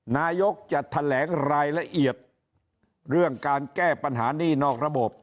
นายกจะแถลงรายละเอียดเรื่องการแก้ปัญหานี่นอกระบบ